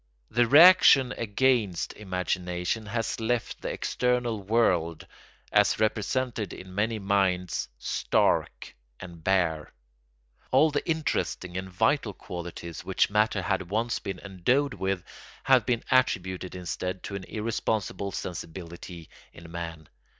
The reaction against imagination has left the external world, as represented in many minds, stark and bare. All the interesting and vital qualities which matter had once been endowed with have been attributed instead to an irresponsible sensibility in man.